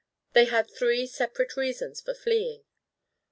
They had three separate reasons for fleeing.